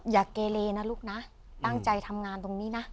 อย่าเกเลนะลูกนะตั้งใจทำงานตรงนี้นะ